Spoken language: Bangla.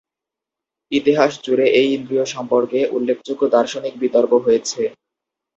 ইতিহাস জুড়ে এই ইন্দ্রিয় সম্পর্কে উল্লেখযোগ্য দার্শনিক বিতর্ক হয়েছে।